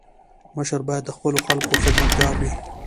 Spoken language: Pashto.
مشر باید د خپلو خلکو خدمتګار وي.